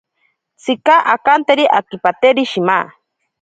Tsika akanteri akipateri shima.